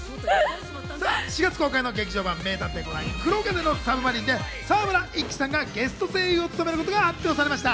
４月公開の劇場版『名探偵コナン黒鉄の魚影』で沢村一樹さんがゲスト声優を務めることが発表されました。